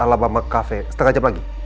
alabama cafe setengah jam lagi